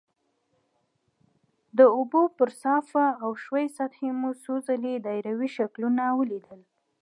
د اوبو پر صافه او ښویې سطحې مو څو ځلې دایروي شکلونه ولیدل.